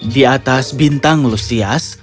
di atas bintang lusias